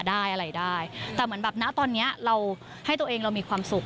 ได้อะไรได้แต่เหมือนแบบนะตอนเนี้ยเราให้ตัวเองเรามีความสุข